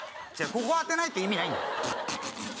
ここ当てないと意味ないんだよ